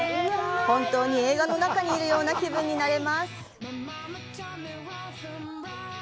本当に映画の中にいるような気分になれます。